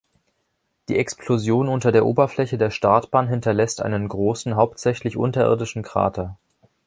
Die Explosion unter der Oberfläche der Startbahn hinterlässt einen großen, hauptsächlich unterirdischen Krater.